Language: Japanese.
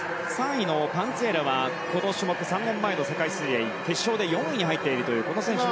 ３位のパンツィエラはこの種目３年前の世界水泳決勝で４位に入っている選手。